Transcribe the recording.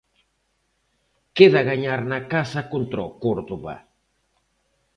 Queda gañar na casa contra o Córdoba.